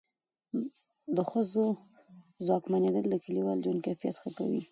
د ښځو ځواکمنېدل د کلیوال ژوند کیفیت ښه کوي.